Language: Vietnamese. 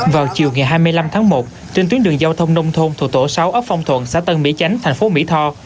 vào chiều ngày hai mươi năm tháng một trên tuyến đường giao thông nông thôn thuộc tổ sáu ấp phong thuận xã tân mỹ chánh thành phố mỹ tho